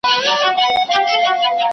ته ولي مينه څرګندوې،